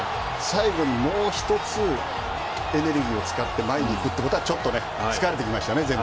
最後にもう１つエネルギーを使って前に行くということはちょっと全体が疲れてきましたね。